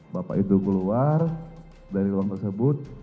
bapak itu keluar dari ruang tersebut